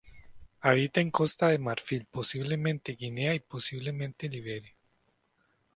Habita en Costa de Marfil, posiblemente Guinea y posiblemente Liberia.